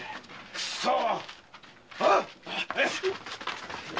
クソッ！